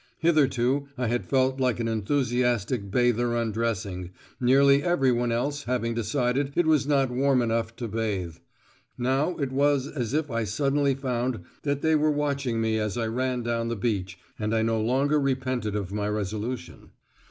Hitherto I had felt like an enthusiastic bather undressing, nearly everyone else having decided it was not warm enough to bathe; now it was as if I suddenly found that they were watching me as I ran down the beach, and I no longer repented of my resolution.